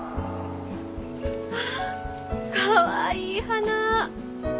わあかわいい花！